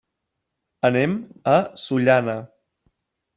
Anem a Sollana.